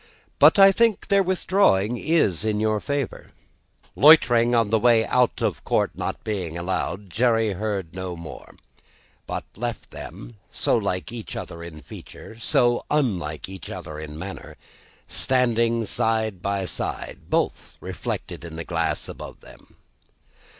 But I think their withdrawing is in your favour." Loitering on the way out of court not being allowed, Jerry heard no more: but left them so like each other in feature, so unlike each other in manner standing side by side, both reflected in the glass above them.